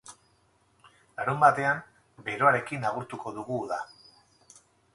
Larunbatean, beroarekin agurtuko dugu uda.